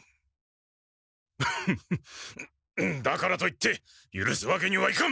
フフフだからといってゆるすわけにはいかん！